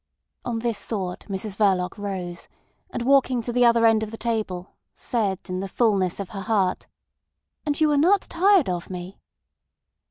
On this thought Mrs Verloc rose, and walking to the other end of the table, said in the fulness of her heart: "And you are not tired of me."